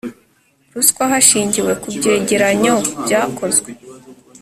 ruswa hashingiwe ku byegeranyo byakozwe